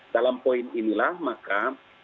dalam poin inilah maka